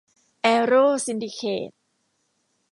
แอร์โรว์ ซินดิเคท